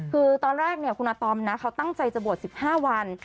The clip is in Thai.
คือตอนแรกคุณอาตอมนะเขาตั้งใจจะบวช๑๕วัน